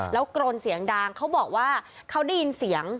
แล้วกรนเสียงดังเขาบอกว่าเขาได้ยินเสียง